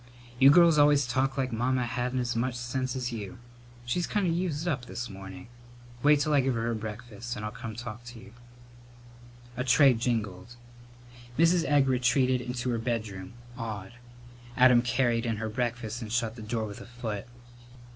You girls always talk like Mamma hadn't as much sense as you. She's kind of used up this morning. Wait till I give her her breakfast, and I'll come talk to you." A tray jingled. Mrs. Egg retreated into her bedroom, awed. Adam carried in her breakfast and shut the door with a foot.